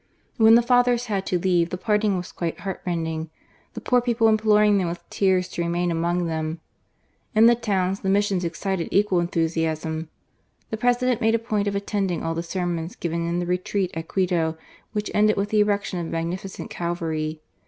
When the Fathers had to leave, the parting was quite heart rending, the poor people imploring them with tears to remain among them. In the towns the missions excited equal enthusiasm MISSIONS. 245 The President made a point of attending all the sermons given in the retreat at Quito, which ended with the erection of a magnificent Calvary.